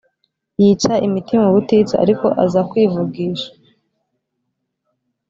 yitsa imitima ubutitsa ariko aza kwivugisha